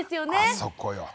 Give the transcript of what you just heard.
あそこよ。